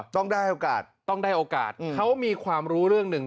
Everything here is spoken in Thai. ต้องได้โอกาสเขามีความรู้เรื่องหนึ่ง